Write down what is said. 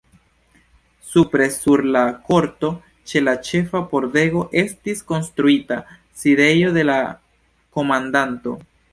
Supre sur la korto, ĉe la ĉefa pordego, estis konstruita sidejo de la komandanto.